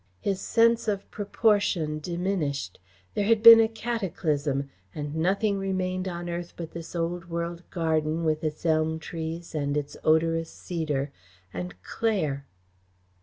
His sense of proportion diminished. There had been a cataclysm and nothing remained on earth but this old world garden with its elm trees and its odorous cedar, and Claire!